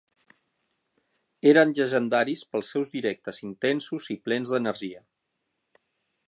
Eren llegendaris pels seus directes intensos i plens d'energia.